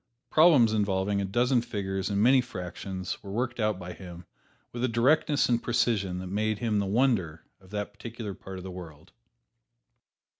Problems involving a dozen figures and many fractions were worked out by him with a directness and precision that made him the wonder of that particular part of the world.